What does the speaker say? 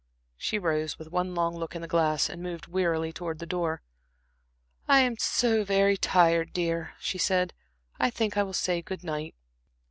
She rose, with one long look in the glass, and moved wearily towards the door. "I am so very tired, dear," she said. "I think I will say good night."